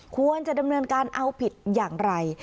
ควรจะดำเนินการเอาผิดอย่างไร